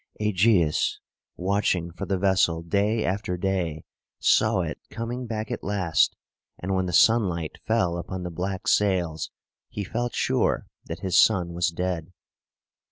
Ægeus, watching for the vessel day after day, saw it coming back at last; and when the sunlight fell upon the black sails, he felt sure that his son was dead.